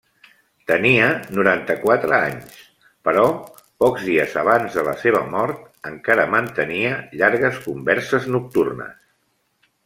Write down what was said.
Tenia noranta-quatre anys, però pocs dies de la seva mort encara mantenia llargues converses nocturnes.